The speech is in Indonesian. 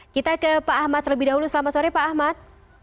kita ke pak ahmad terlebih dahulu selamat sore pak ahmad